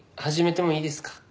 始めてもいいですか？